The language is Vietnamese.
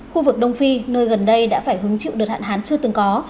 khu vực đông phi nơi gần đây đã phải hứng chịu đợt hạn hán chưa từng có